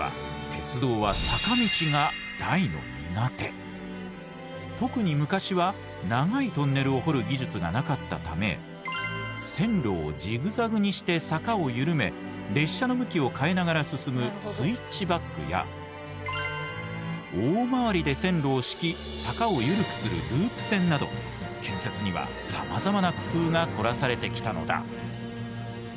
実は特に昔は長いトンネルを掘る技術がなかったため線路をジグザグにして坂を緩め列車の向きを変えながら進むスイッチバックや大回りで線路を敷き坂を緩くするループ線など建設にはさまざまな工夫が凝らされてきたのだ！